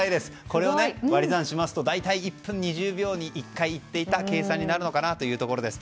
これを割り算しますと大体１分２０秒に１回言っていた計算になるのかなというところです。